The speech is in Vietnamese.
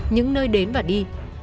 những nơi đến và đi